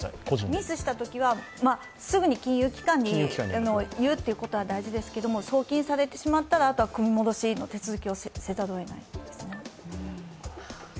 ミスしたときは、すぐに金融機関に言うことが大事ですけど、送金されてしまったら、あとは組戻し手続きをせざるをえないです。